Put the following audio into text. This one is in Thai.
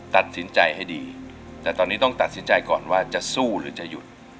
ตัดสินใจให้ดีแต่ตอนนี้ต้องตัดสินใจก่อนว่าจะสู้หรือจะหยุด